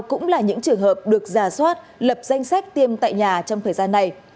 cũng là những trường hợp được giả soát lập danh sách tiêm tại nhà trong thời gian này